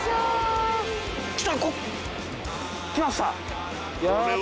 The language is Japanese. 来ました！